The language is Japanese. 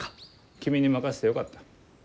君に任せてよかった。